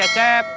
sama kang cecep